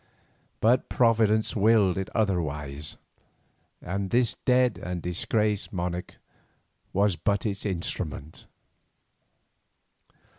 But Providence willed it otherwise, and this dead and disgraced monarch was but its instrument.